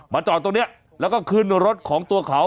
จอดตรงนี้แล้วก็ขึ้นรถของตัวเขา